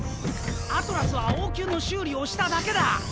アトラスは応急の修理をしただけだ！